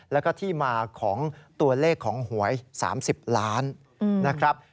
แล้วก็ที่มาของตัวเลขของหวย๓๐ล้านนะครับ